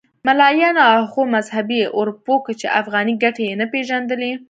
ملایانو او هغو مذهبي اورپکو چې افغاني ګټې یې نه پېژندلې.